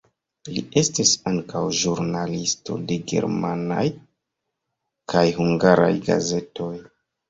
Li estis ankaŭ ĵurnalisto de germanaj kaj hungaraj gazetoj.